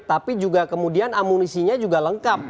tapi juga kemudian amunisinya juga lengkap